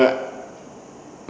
rồi công nghệ